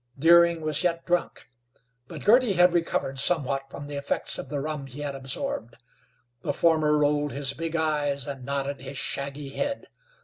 Deering was yet drunk, but Girty had recovered somewhat from the effects of the rum he had absorbed. The former rolled his big eyes and nodded his shaggy head.